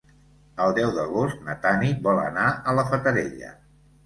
El deu d'agost na Tanit vol anar a la Fatarella.